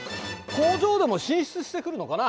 工場でも進出してくるのかな。